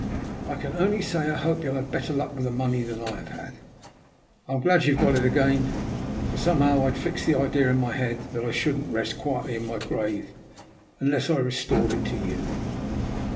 I can only say I hope you'll have better luck with the money than I have had. I'm glad you've got it again ; for, somehow, I'd fixed the idea in my head that I shouldn't rest quietly in my grave unless I restored it to you.